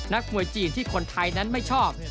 นักมวยจีนที่คนไทยนั้นไม่ชอบ